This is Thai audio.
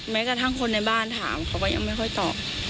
แม้กระทั่งคนในบ้านถามเขาก็ยังไม่ค่อยตอบ